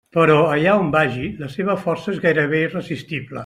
Però, allà on vagi, la seva força és gairebé irresistible.